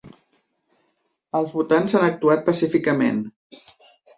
Els votants han actuat pacíficament